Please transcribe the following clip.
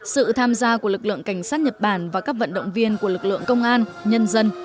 sự tham gia của lực lượng cảnh sát nhật bản và các vận động viên của lực lượng công an nhân dân